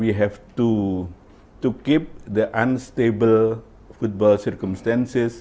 menjaga keadaan futbol yang tidak stabil